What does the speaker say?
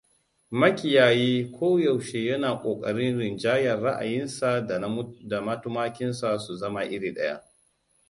Makiyayi koyaushe yana ƙoƙarin rinjayar raʻayinsa da na tumakinsa su zama iri ɗaya.